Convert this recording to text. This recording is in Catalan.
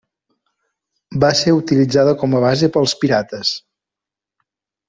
Va ser utilitzada com a base pels pirates.